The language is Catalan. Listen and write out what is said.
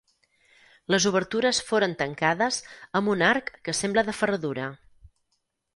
Les obertures foren tancades amb un arc que sembla de ferradura.